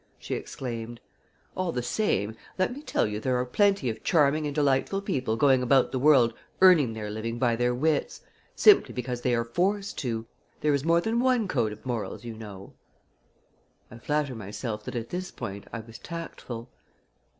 she exclaimed. "All the same, let me tell you there are plenty of charming and delightful people going about the world earning their living by their wits simply because they are forced to. There is more than one code of morals, you know." I flatter myself that at this point I was tactful.